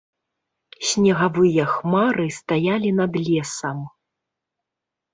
Снегавыя хмары стаялі над лесам.